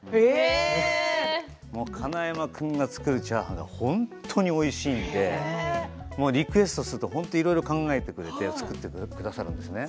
金山君が作るチャーハンは本当においしいのでリクエストすると本当にいろいろ考えてくれて作ってくださるんですよね。